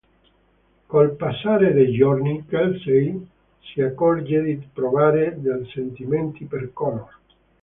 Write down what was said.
Col passare dei giorni, Kelsey si accorge di provare dei sentimenti per Connor.